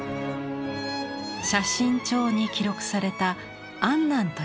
「写真帖」に記録された「安南」という文字。